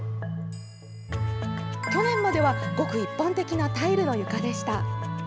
去年までは、ごく一般的なタイルの床でした。